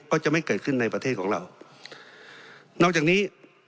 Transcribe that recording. ก็จะไม่เกิดขึ้นในประเทศของเรานอกจากนี้